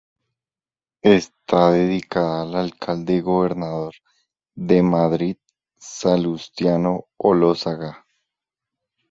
Está dedicada al alcalde y gobernador de Madrid Salustiano Olózaga.